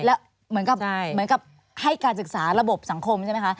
เหมือนกับให้การศึกษาระบบสังคมใช่ไหมคะ